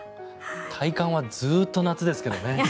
体感はずっと夏ですけどね。